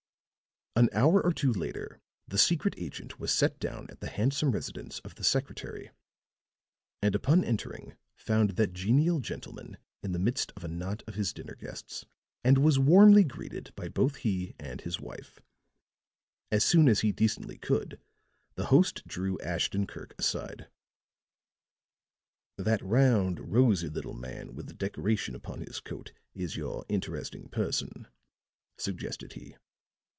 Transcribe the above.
An hour or two later the secret agent was set down at the handsome residence of the secretary; and upon entering found that genial gentleman in the midst of a knot of his dinner guests and was warmly greeted by both he and his wife. As soon as he decently could, the host drew Ashton Kirk aside. "That round, rosy little man with the decoration upon his coat is your interesting person," suggested he.